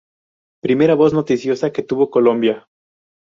Primera voz noticiosa que tuvo Colombia.